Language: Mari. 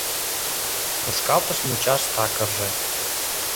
Тошкалтыш мучаш такырже -